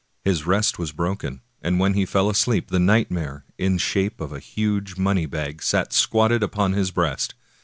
His rest was broken, and when he fell asleep the nightmare, in shape of a huge money bag, sat squatted upon his breast.